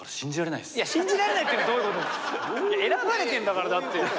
選ばれてるんだからだって。